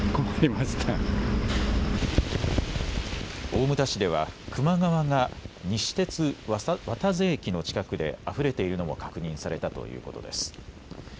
大牟田市では隈川が西鉄渡瀬駅の近くであふれているのも確認されたということです。